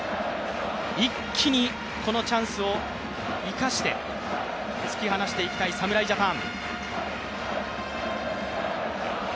一気にこのチャンスを生かして突き放していきたい侍ジャパン。